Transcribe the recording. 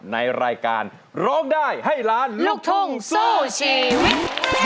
ในรายการร้องได้ให้ล้านลูกทุ่งสู้ชีวิต